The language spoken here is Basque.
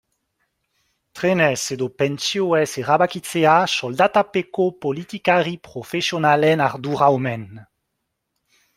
Trenez edo pentsioez erabakitzea soldatapeko politikari profesionalen ardura omen.